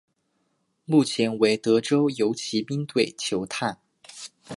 目前为德州游骑兵队球探。